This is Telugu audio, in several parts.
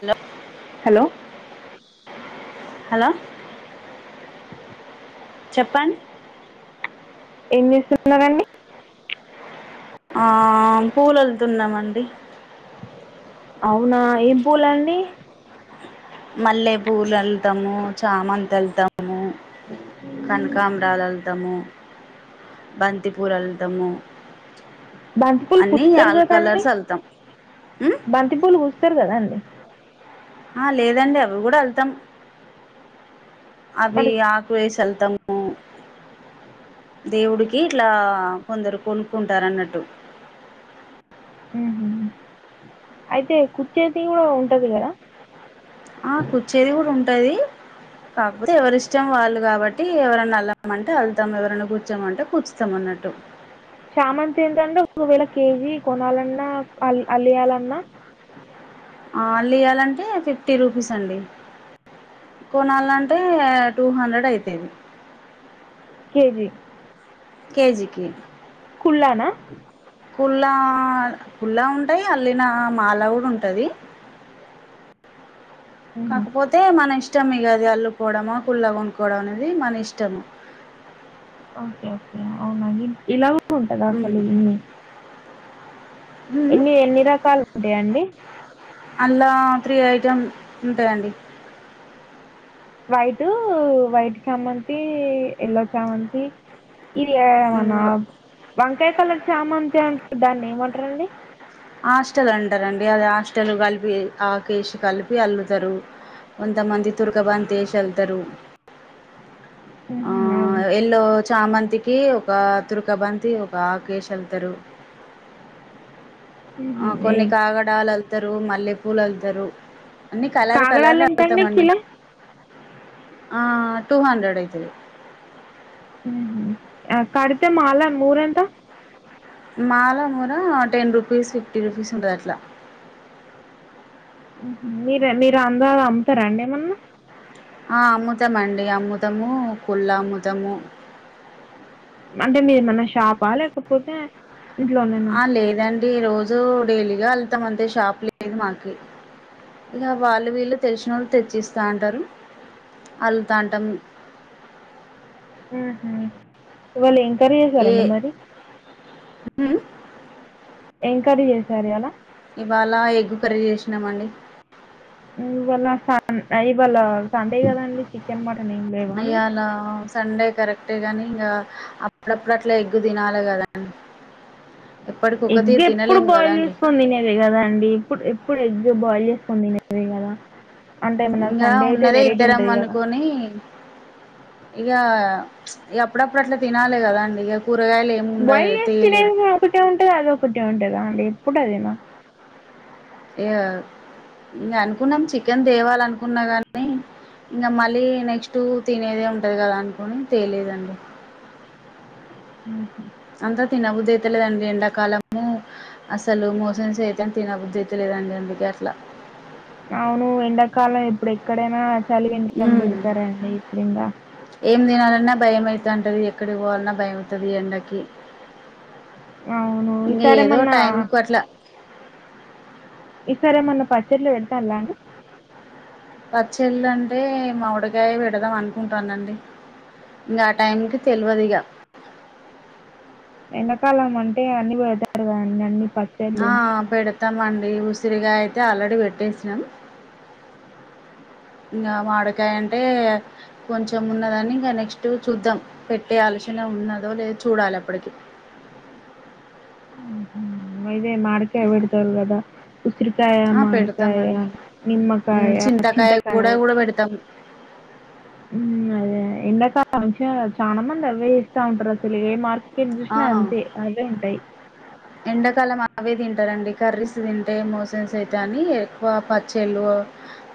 హలో హలో హలో చెప్పండి. ఏం చేస్తున్నారండి. పూలళ్తున్నామండి. అవునా ఏం పూలండీ. మల్లేపూలు అల్థమూ, చామంతి అల్థమూ, కనకాంబ్రాలు అల్థమూ, బంతిపూలు అల్థమూ. బంతిపూల్ కుచ్చుతరు కదండీ. వెళ్తాం ఉమ్ బంతిపూలు కుచ్చుతరు కదాండ్. ఆ లేదండి అవి కూడా వెళ్తాం అవి మరి ఆకు వేసెల్తం ఆ దేవుడికి ఇట్లా కొందరు కొనుక్కుంటారన్నట్టు ఉహ అయితే కుర్చేది కూడా ఉంటది కదా ఆ కుచ్చేది కూడా ఉంటదీ. కాకపోతే ఎవరిష్టం వాళ్ళు కాబట్టీ ఎవరన్నా అల్లమంటే అల్తం, ఎవరన్నా కుచ్చమంటే కుచ్చుతం అన్నట్టు. చామంతి ఏంతండీ ఒకవేళ కేజీ కొనాలన్నా అల్ అల్లీయాలన్నా. ఆ అలియ్యాలంటే ఫిఫ్టీ రూపీస్ అండి. కొనాల్నంటే టూ హండ్రెడ్ అయితది. కేజీ. కేెజికి కుళ్ళనా కుల్లా కుల్లా ఉంటాయి అల్లిన మాల కూడా ఉంటుంది మ్మ్. కాకపోతే మన ఇష్టం ఇ అది అల్లుపోవడము కుల్లా కొంనుక్కకోవడం అనేది మన ఇష్టము ఓకే ఓకే అవునా ఇలా ఉంటదా హ్మ్. అసలు ఇన్ని హ్మ్. ఎన్ని ఎన్ని రకాలు ఉంటాయండి అల్లా త్రీ ఐటెం ఉంటదండి వైట్ వైట్ చామంతి యెల్లో చామంతి ఇది ఎమనా హ్మ్. వంక కలర్ చామ అంతే ఉంటారు దాన్ని ఏమంటారండి హాస్టల్ అంటారండి అది హాస్టల్ కలిపి ఆకష్ కలిపి అల్లుతారు కొంతమంది తురకబంతి వేసి వెళ్తారు మ్ యెల్లో చామంతి కి ఒక తుర్కబంతి ఒక ఆకేశెల్తారు ఆ హుహు. ఈ కొన్ని కాగడాలళ్తారు మళ్ళీ పూలలుతరు అన్నీ కలరు కలరు కాగడాలెంతండి అల్లుతామండి కిలో? ఆ టూ హండ్రెడ్ అయితుది కడితే మాల నూరెంత మాల మూర టెన్ రూపీస్ ఫిఫ్టీ రూపీస్ ఉంటంది అట్లా మీర మీరు అందా అమ్ముతారాండి ఏమన్నా ఆ అముతం అండి అముతము కుళ్ల్ళ అముదము అంటే మీరు ఏమన్నా షాపా లేకపోతే ఇంట్లోనేనా? ఆ లేదండి రోజు అూడేలిగా అళ్ తమంట షాపు మాకి ఇలా వాళ్ళ వీళ్ళలు తెలిసిన వాళ్ళ తెచ్చిస్తా అంటారు అల్లు తాటం వాలే ఇం ఎంకవరీ ఏ చేశారండి మరి ఉమ్, ఎంక్వరీ చేశారు అలా ఇవాళ ఎగ్గు కర్రీ చేసినామండి ఇవాళ స ఇవాళ సండే కదండి చికెన్ మట ఇయలా సండే కరెక్ట్ గాని ఇంకా అప్పుడప్పుడు అట్లా ఎగ్గు తినాలి కదా ఎప్పటికి ఒక ఎగ్ తీరు ఎప్పుడు తినలేము కదా బాయిల్ అండి చేసుకో తినదే కదా అండి ఇప్పుడు ఎప్పుడు ఎగ్ బాయిల్ చేసు [unintelligible] ఇంకా ఉన్నదే ఇద్దరం అనుకొని ఇక ఇక అప్పుడప్పుడు అట్లా తినాలి కదా అండి ఇక వైిన ఒకటే ఉంటుది అద ఒకటే ఉంటదా అండి కుట్టదనా ఏ ఇ అనుకున్నాం చికెన్ దేవాలనుకున్నా ఉన్న కానీ ఇంకా మళ్ళీ నెక్స్ట్ తినేది ఉంటది కదా అండి పోనీ తెలిదండి ఉ అంతా తినబుద్ధి అయితేలేదండి ఎండాకాలము అసలు మోసం సైత తినబుద్ధి అయితేలేదండి అందుకే అట్లా అవును ఎండాకాలం ఎప్పుడు ఎక్కడైనా చలి వినడం హ్మ్. పెడతారండి ఇప్పుడు ఇంకా ఏం తినాలన్నా భయమవుతుంటది ఎక్కడికి పోవాలన్నా భయ అవుతుంది ఎండకి అవును ఇంకా ఈసారి ఏదో ఏమన్నా టైంకు అట్లా ఈ సరేమన్న పచ్చట్లో పెడతాలాని పచ్చెల్ళ అంటే మామిడికాయ విడదాం అనుకుంటానండి ఇంకా ఆ టైంకి తెలియదు ఇగా వెనకాలం అంటే అన్ని పెడతాారు కాన్నీ అన్ని ఆ పచ్చళ్ళు పేడ వస్తామండి ఉసిరిగాయ అయితే ఆల్రెడీ పెట్టేసినాం ఇంకా మాడకాయ అంటే కొంచెం ఉన్నదని ఇంకా నెక్స్ట్ చూద్దాం పెట్టే ఆలోచన ఉన్నదో లేదో చూడాలి ఎప్పటికిీ హుహు. ఇదే మాకాయ బడతల్దా ఉసిరికాయ ఆ మకాయ పెడతామండి ఉమ్, నిమ్కాయ చింతకాయ కూడా కూడా పెడతాం అదే ఎండాకాలం చాలా మంది అవే చేస్తా ఉంటారు అసలు ఏ మార్ ఎక్కడ ఆ చూసినా అంతే అవే ఉంటాయి ఎండాకాలం అవే తింటారండి కర్రీస్ తింటే మోషన్స్ అయితయి అని ఎక్కువ పచ్చళ్ళు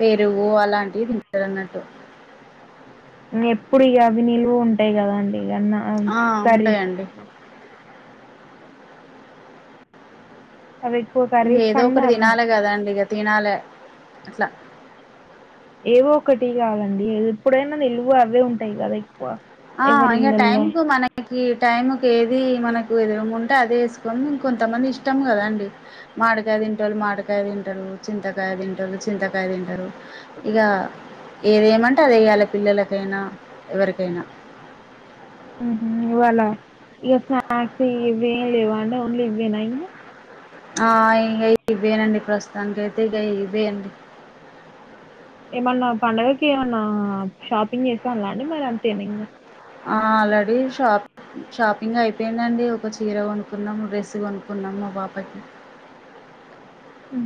పెరుగు అలాంటివి తింటారు అన్నట్టు ఎప్పుడు ఇక అవి నిలువ ఉంటాయి కదా అండి వన్నాన్ ఆ! కర్రి ఉంటాయండి. అవి ఎక్కువ ఇంక కర్రీస్ ఏదో కన్నా ఒకటి అవే తినాలి ఉంటాయి. కదండి ఇగ తినాలే అట్ల ఏవో ఒకటి కాదండి ఎప్పుడైనా నిల్వు అవే ఉంటాయి కదా ఎక్కువ ఆ ఎవరి ఇగ టైమ్ ఇళ్ళల్లో. కు మనకి ఈ టైంకి ఏది మనకు ఎదరంటే అదే వేసుకొని ఇంక కొంతమంది ఇష్టం కదా అండి మాడకాయా తింటొల్లు మాడకా కాయ తింటారు చింతకాయ తింటారు చింతకాయ తింటారు ఇక ఏదిేమంటే అది వేయ్యాలి పిల్లలకైనా ఎవరికైనా ఉహు ఇవాళ ఇగ స్నాక్స్ ఇవేమి లేవా అంటే ఓన్లీ ఇవ్వేనా ఇంకా ఆ ఇక ఇవేనండి ప్రస్తుతానికయితే ఇక ఇవేయండి మన్న పండగకి ఏమన్నా షాపింగ్ చేస్తాన్లా అండి మరి అంతేనింగా ఆల్రెడీ షాప్ షాపింగ్ అయిపోయిందండి ఒక చీర కొనుక్కున్నాము డ్రెస్ కొనుకున్నా మా పాపకి ఊ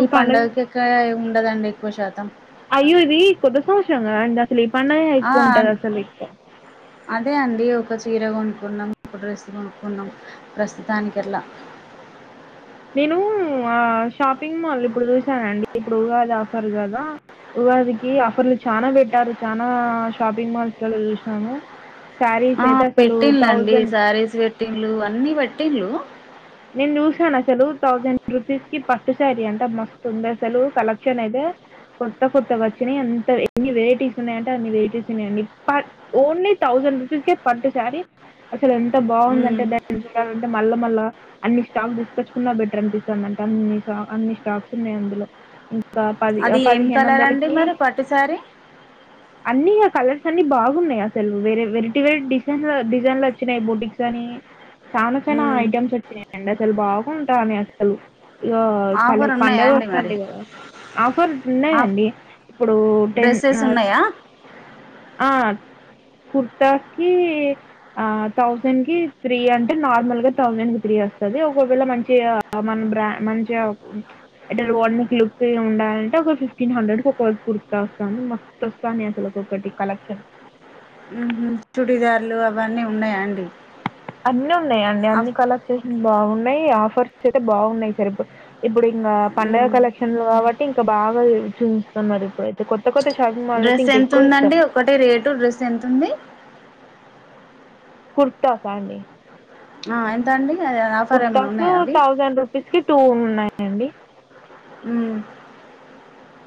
ఈ పండుకిక్క ఉండదండి ఎక్కో శాతం అయ్యో ఇది కొత్త సంవత్సరంగా కదా అండి అసలు ఈ పండగ ఆ జరుపుకుంటది అసలు ఎక్కువ అదే అండి ఒక చీర కొనుక్కున్నాం ఒక డ్రెస్ కొనుక్కున్నాం ప్రస్తుతానికట్లా నేను ఆ షాపింగ్ మాల్ ఇప్పుడు చూసానండి ఇప్పుడు ఉగాది ఆఫర్ కదా ఉగాదికి ఆఫర్లు చానా పెట్టారు చనా షాపింగ్ మాల్స్లలో చూసాను ఆ పెట్టింలండి శారీస్ పెట్టింలు అన్ని పెట్టింలు నేను చూసాను అసలు థౌసండ్ రూపీస్ కి పట్టు శారీ అంట మస్తుతుందసలు కలెక్షన్ అయితే కొత్త కొత్తగా వచ్చినాయి అంత ఎన్ని వెరైటీస్ ఉన్నాయంటే అన్ని వెరైటీస్ ఉన్నాయండి ఇ ప ఓన్లీ థౌసండ్ రూపీస్ కె పట్టు శారీ అస్ సలు ఎంత బాగుంద మ్మ్ అంటే దాన్ని చూడాల మల్ల మల్ళ అన్ని స్టాక్ తీసుకొచ్చుకున్నా బెటర్ అనిపిస్తుందంటే అన్ని స అన్ని స్టాక్స్ ఉన్నాయి అందులో ఇం అది ఏం కలర్ అండి మరి పట్టుసారి అన్ని ఇగ కలర్స్ అన్ని బాగున్నాయి అసలు వేరే వెరైటీ వెరైటి డిజైన్ డిజైన్లు వచ్చినాయి బోటిక్స్ అని చానా చానా మ్మ్ ఐటమ్స్ వచ్చినాయి అసలు బాగుంటా అని అసలు ఇగ కల ఆఫర్ ఉన్నాయా పండగ అండి మరి ఒస్తాండి కదా ఆఫర్ ఆఫ్ ఉన్నాయండి ఇప్పుడు టెన్ డ్రెస్సెస్ అ ఉన్నాయా ఆ కుర్తాస్ కి ఆ థౌజండ్ కి త్రీ అంటే నార్మల్గా థౌసండ్ కి త్రీ ఆస్ తది ఒకవేళ మంచిగ మన బ్రా మంచిగ ఎటర్ వాడ్ ముకు లుక్కె ఉండాలంటే ఒక ఫిఫ్టీన్ హండ్రెడ్ ఒక కుర్తా వస్తంది మస్త్ అస్తన్నయ్ ని అసలు ఒకొకటి కలెక్షన్ చుడిదారులు అవన్నీ ఉన్నాయాండి అన్నిీ ఉన్నయా అండి అన్ని కలక్ష బాగున్నాయి ఆఫర్స్ అయితే బాగున్నాయి సరి ఇప్పు ఇప్పుడు ఇంకా పండగ హ్మ్. కలెక్షన్లు కాబట్టి ఇంకా బాగా చూస్తున్నారు. ఇప్పుడైతే కొత్త కొత్త షాపింగ్ మాల్‌లో అయితే డ్రెస్ ఎంత ఇంకెక్కువ ఉందండి, ఇస్తారు. ఒకటి రేటు డ్రెస్ ఎంత ఉంది. కుర్తా ఫాండి ఆ ఎంతాండి కుర్తస థౌజండ్ రూపీస్కి టో ఉన్నాయండి ఊ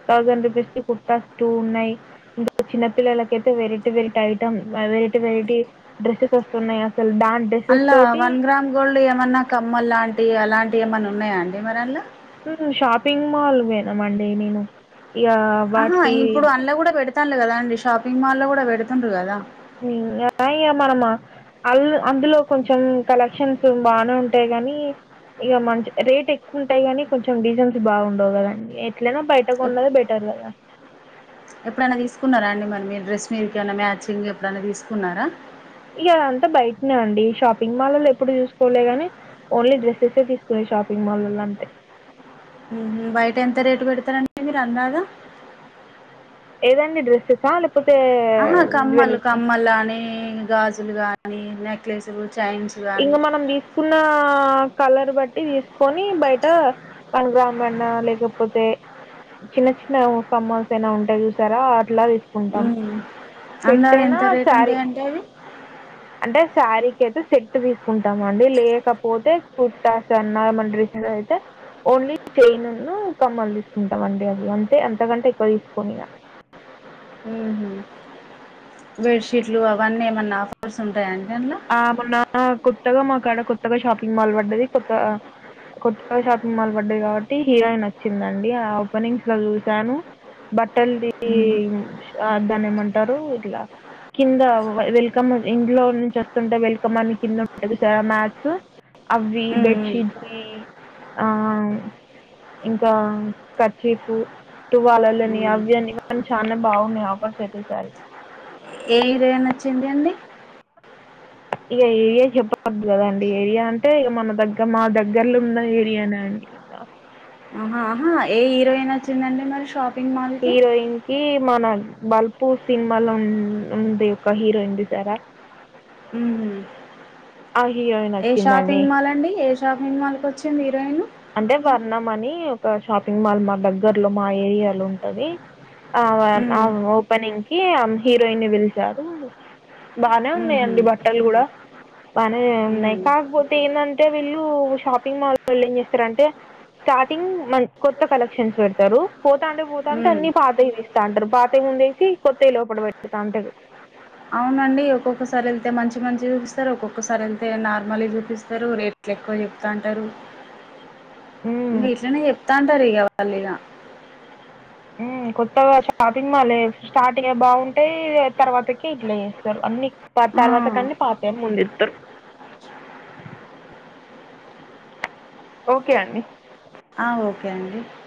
థౌసండ్ రూపీస్ కి కుర్తా స్ టూ ఉన్నాయి ఇంకా చిన్నపిల్లలకైతే variety variety item variety variety dresses ఒస్తున్నాయి అండ్ల వన్ గ్రామ్ గోళ్డ్ ఏమన్నా కమ్మ లాంటి టీ అలాంటి ఏమన్న ఉన్నాయా అండి మరండ్ల ఊ షాపింగ్ మాల్ ఒయిన మండే నేను ఇక ఆహ వాటికి ఇప్పుడు అన్లో కూడా పెడతాండె కదా అండి షాపింగ్ మాల్లో కూడ పెడుతుండు కదా ఇక మనమా అల్ అందులో కొంచెం కలెక్షన్స్ బానే ఉంటాయి. గానీ ఇక మంచి రేట్ ఎక్కువ ఉంటాయి కానీ కొంచెం డీజైన్స్ బాగుండవు కదండి. ఎట్లైనా బయటకు కొన్నద బెటర్ కదా ఎప్పుడైనా తీసుకున్నారా అండి మరి మీ డ్రెస్ మీకు ఏమైనా మ్యాచింగ్ ఎప్పుడైనా తీసుకున్నారా. ఇక అంతా బయటనే అండి షాపింగ్ మాల్ల్లు ఎప్పుడు చూసుకోలేగాని, ఓన్లీ డ్రెస్సెస్స్ తీసుకున్నాయి షాపింగ్ మాల్ల్ల అంటే ఉహు బయట ఎంత రేటు పెడతారండి మీరు అంద్దగా ఏదైనా డ్రెస్సెస్సా లే ఆహా కమ్మల్ కమ్మలనే గాజులు గాని నెక్లెస్లు ఇంకా మనం తీసుకున్న కలర్ బట్టి తీసుకొని బయట వన్ గ్రామ్ అయినా లేకపోతే చిన్న, చిన్న కమ్మల్స్ అయినా ఉంటాయి చూసారా అట్లా ఊ తీసుకుంటాం అందు సెట్ ఎంత అయినా రేట్ శారీ ఉంటాయంటే అవి అంటే శారీకి అయితే సెట్ తీసుకుంటాం అండి. లేకపోతే కుర్తాస్ అన్న, మన డ్రెస్ అయితే ఓన్లీ చైన్ను, కమ్మలు తీసుకుంటాం అండి. అది అంతే ఎంతకంటే ఎక్కువ తీసుకోనిక. బెడ్ షీట్లు అవన్నీ ఏమన్నా ఆఫర్స్ ఉంటాయాండి. ఆ మొన్న కోత్తక మా అక్కడ కొత్తగా షాపింగ్ మాల్ పడ్డది. కొత్త కొత్తగా షాపింగ్ మాల్ పడ్డది. కాబట్టి హీరోయిన్ వచ్చిందండి ఆ ఓపెనింగ్స్ లో చూసాను. బట్టలు హ్మ్ దాన్ని ఏమంటారు ఇట్లా కింద వెల్కమ్ ఇంట్లో నుంచి వ ఉంటా వెల్కమ్ అని కింద ఉంటది సార్. మ్యాట్స్, అవి హ్మ్ హ్మ్ బెడ్షీట్స్ ఆ ఇంకా క్యాచిఫ్, తువాలలని హ్మ్. అవి అని అన్ని చాలా బాగున్నాయి ఆఫర్స్ అయితే సార్. ఏ ఇదయా న వచ్చింది అండి. ఇక ఏరియా చెప్పవదు కదండి ఏరియా అంటే ఇక మన దగ్గర మా దగ్గర్లో ఉన్న ఏరియానే అండి ఇంకా. ఆహా ఏ హీరోయిన్ వచ్చిందండి మరి షాప్ హీరోయిన్ కి మన బల్పు సినిమాలో ఉ ఉంది ఒక హీరోయిన్ తీశారా ఉ హీరోయిన్ ఏ వచ్చిందండి షాపింగ్ మాల్ అండి. ఏ షాపింగ్ మాల్ కి వచ్చి వచ్చింది హీరోయిను అంటే వర్ణం అని ఒక షాపింగ్ మాల్ మా దగ్గర్లో మా ఏరియాలో ఉంటది. ఆ హ్మ్. ఓపెనింగ్ కి హీరోయిన్ పిలిచారు బానే హుహు. ఉన్నాయిండి, బట్టలు కూడా బాగానే ఉన్నాయి. హ్మ్. కాకపోతే ఏంటంటే వీళ్ళు షాపింగ్ మాల్ వెళ్ళ అంటే స్టార్టింగ్ కొత్త కలెక్షన్స్ పెడతారు. పోతాంటే పోతాంటే హ్మ్. అన్ని పాతయి తీస్తాంటారు. పాతయ్యి ముందేసి కొత్తవి లోపల పెడుతాంటారు. అవునండి ఒక్కొక్కసారి వెళ్తే మంచి మంచి చూపిస్తారు. ఒక్కొక్కసారి వెళ్తే నార్మల్ చూపిస్తారు రేట్లు ఎక్కువ చెప్తూంటారు. హ్మ్. వీట్లనే చెప్తాంటారు చల్లిగా కొత్తగా షాపింగ్ మాల్ స్టార్టింగ్ బాగుంటాయి తర్వాతక ఇట్లా చేస్తారు అన్ని తర్వాత కన్ని పాత ముందు ఇస్తారు ఓకే అడి ఆ ఓకే అండి